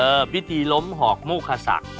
เออพิธีล้มหอกมกษัก